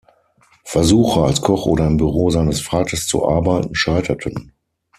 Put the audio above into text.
Versuche, als Koch oder im Büro seines Vaters zu arbeiten, scheiterten.